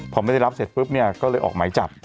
พอไม่ได้รับเสร็จปุ๊บเนี่ยก็เลยออกหมายจับ